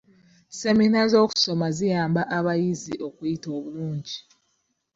Semina z'okusoma ziyamba abayizi okuyita obulungi.